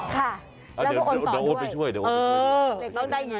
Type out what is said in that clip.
ค่ะแล้วก็โอนต่อด้วยเดี๋ยวโอนไปช่วยเดี๋ยวโอนไปช่วย